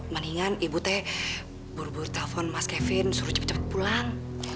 mendingan ibu teh buru buru telepon mas kevin suruh cepat cepat pulang